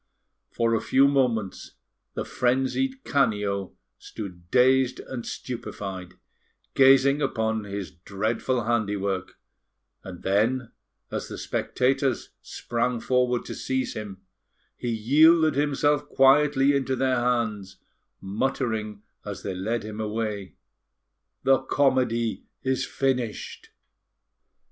For a few moments, the frenzied Canio stood dazed and stupefied, gazing upon his dreadful handiwork; and then, as the spectators sprang forward to seize him, he yielded himself quietly into their hands, muttering as they led him away: "The comedy is finished!"